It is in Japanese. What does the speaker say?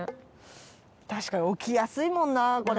確かに置きやすいもんなこれ。